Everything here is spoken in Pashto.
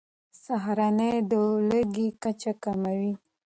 سهارنۍ د لوږې کچه کموي.